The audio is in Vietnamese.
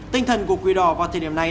tinh thần của quỳ đỏ vào thời điểm này